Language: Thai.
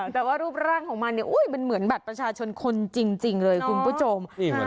แต่ว่ารูปร่างของมันเนี่ยมันเหมือนบัตรประชาชนคนจริงเลยคุณผู้ชม